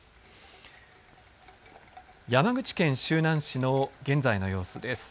山口県周南市の現在の様子です。